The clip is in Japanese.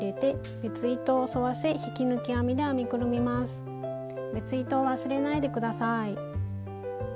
別糸を忘れないで下さい。